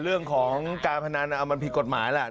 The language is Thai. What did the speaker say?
เรื่องของการพนันมันผิดกฎหมายแหละ